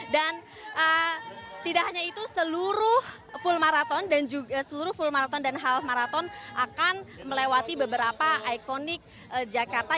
dan tidak hanya itu seluruh full marathon dan hal marathons akan melewati beberapa ikonik jakarta